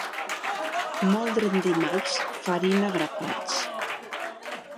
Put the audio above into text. Moldre en dimarts, farina a grapats.